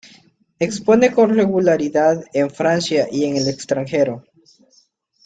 Expone con regularidad en Francia y en el extranjero.